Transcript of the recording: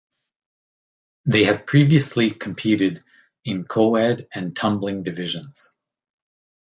They have previously competed in Co-ed and Tumbling divisions.